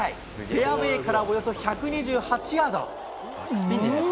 フェアウエーからおよそ１２８ヤード。